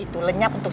aku sedang belajarkan